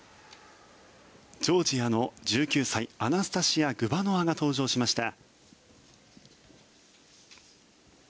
ジョージアの１９歳アナスタシヤ・グバノワが登場しました。